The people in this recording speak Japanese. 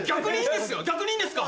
逆にいいんですか？